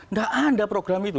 nggak ada program itu